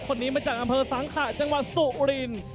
คนนี้มาจากอำเภอสังขะจังหวัดสุรินทร์